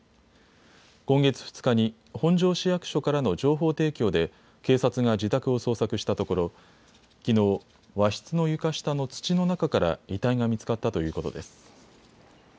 今月２日に本庄市役所からの情報提供で警察が自宅を捜索したところきのう、和室の床下の土の中から遺体が見つかったということです。